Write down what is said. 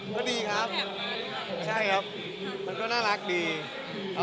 พี่เรียค่ะพี่อ่อนชิกก็ลงแซวด้วยเรียนรับมือด้านเขารู้สึกดีครับ